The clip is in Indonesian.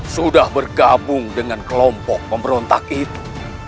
sudah bergabung dengan kelompok pemberontak itu